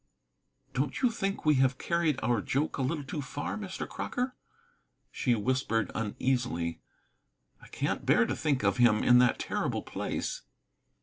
"Don't you think we have carried our joke a little too far, Mr. Crocker?" she whispered uneasily. "I can't bear to think of him in that terrible place."